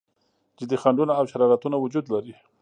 جدي خنډونه او شرارتونه وجود لري.